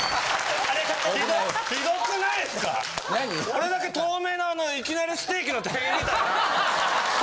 俺だけ透明ないきなりステーキの店員みたいな。